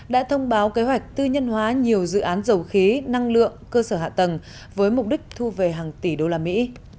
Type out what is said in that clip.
đã thông báo kế hoạch tư nhân hóa nhiều dự án dầu khí năng lượng cơ sở hạ tầng với mục đích thu về hàng tỷ đô la mỹ